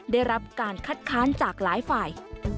ได้รับการคัดค้านจากหลายฝ่าย